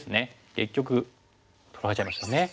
結局取られちゃいましたね。